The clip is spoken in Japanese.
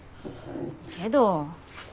けど。